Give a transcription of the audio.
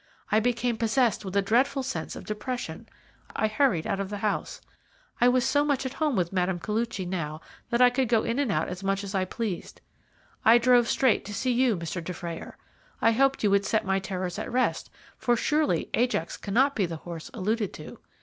I became possessed with a dreadful sense of depression. I hurried out of the house. I was so much at home with Mme. Koluchy now that I could go in and out as much as I pleased. I drove straight to see you, Mr. Dufrayer. I hoped you would set my terrors at rest, for surely Ajax cannot be the horse alluded to.